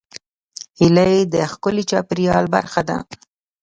هیلۍ د ښکلي چاپېریال برخه ده